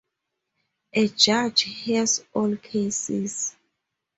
A judge hears all cases.